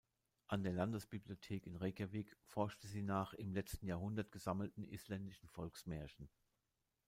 An der Landesbibliothek in Reykjavík forschte sie nach im letzten Jahrhundert gesammelten isländischen Volksmärchen.